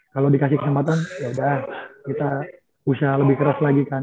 kalau dikasih kesempatan yaudah kita usaha lebih keras lagi kan